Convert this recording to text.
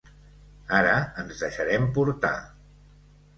Ara ens deixarem portar.